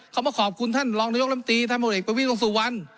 เขามาขอบคุณท่านรองนายกลำตีท่านบริเวณประวิทย์ลงสู่วัน